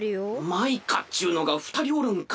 マイカっちゅうのがふたりおるんか。